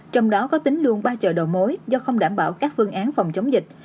trong đó có tính luôn ba chợ đầu mối do không đảm bảo các phương án phòng chống dịch